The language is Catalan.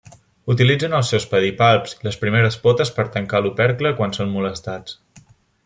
Utilitzen els seus pedipalps i les primeres potes per tancar l'opercle quan són molestats.